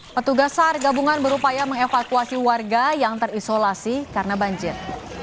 petugas sar gabungan berupaya mengevakuasi warga yang terisolasi karena banjir